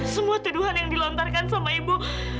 semua tuduhan yang dilontarkan sama ibu